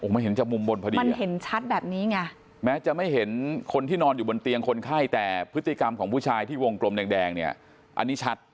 ไม่เห็นจากมุมบนพอดีมันเห็นชัดแบบนี้ไงแม้จะไม่เห็นคนที่นอนอยู่บนเตียงคนไข้แต่พฤติกรรมของผู้ชายที่วงกลมแดงเนี่ยอันนี้ชัด